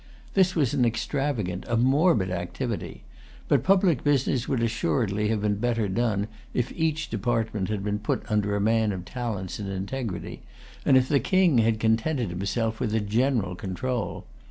This was an extravagant, a morbid activity. The public business would assuredly have been better done if each department had been put under a man of talents and integrity, and if the King had contented himself with a general control.